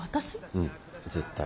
うん絶対。